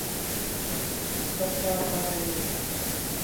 بننا آسان نہیں ہوتا